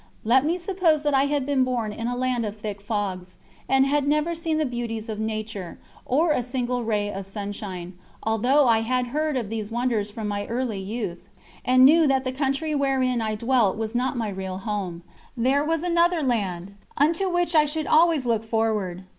Let me suppose that I had been born in a land of thick fogs, and had never seen the beauties of nature, or a single ray of sunshine, although I had heard of these wonders from my early youth, and knew that the country wherein I dwelt was not my real home there was another land, unto which I should always look forward.